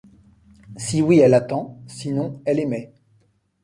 Si oui elle attend, sinon elle émet.